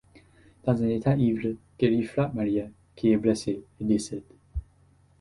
Dans un état ivre, Gary frappe Maria qui est blessée et décède.